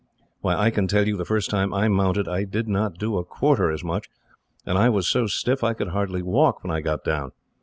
Why, I can tell you the first time I mounted, I did not do a quarter as much, and I was so stiff I could hardly walk, when I got down.